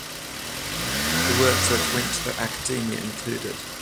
The works which went to the Accademia included